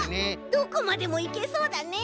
どこまでもいけそうだね。